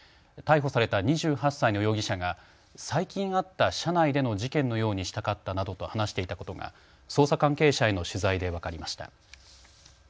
逮捕された２８歳の容疑者が最近あった車内での事件のようにしたかったなどと話していたことが捜査関係者への取材で分かりました。